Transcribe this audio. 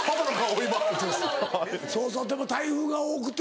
そうそうでも台風が多くて。